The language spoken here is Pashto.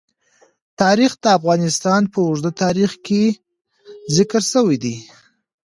تاریخ د افغانستان په اوږده تاریخ کې ذکر شوی دی.